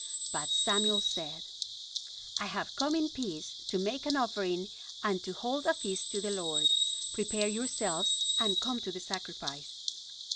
But Samuel said: "I have come in peace to make an offering and to hold a feast to the Lord. Prepare yourselves and come to the sacrifice."